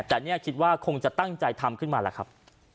แต่เนี่ยคิดว่าคงจะตั้งใจทำขึ้นมาล่ะครับ